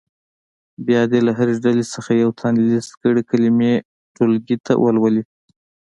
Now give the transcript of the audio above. بیا دې له هرې ډلې څخه یو تن لیست کړې کلمې ټولګي ته ولولي.